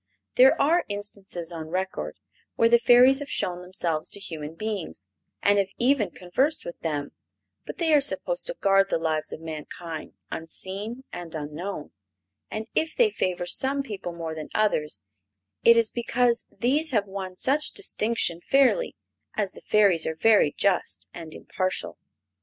There are instances on record where the Fairies have shown themselves to human beings, and have even conversed with them; but they are supposed to guard the lives of mankind unseen and unknown, and if they favor some people more than others it is because these have won such distinction fairly, as the Fairies are very just and impartial.